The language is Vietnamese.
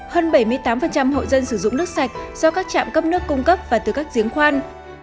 hơn bảy mươi tám hộ dân sử dụng nước sạch do các trạm cấp nước cung cấp và từ các giếng khoan